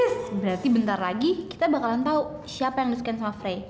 yes berarti bentar lagi kita bakalan tau siapa yang disukain sama frey